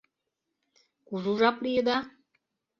— Кужу жап лийыда?